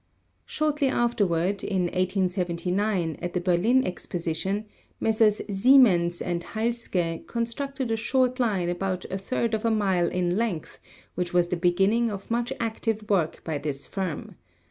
Shortly afterward, in 1879, at tn e Berlin Exposition, Messrs. Siemens and Halske constructed a short line about a third of a mile in length, which was the beginning of much active work by this firm.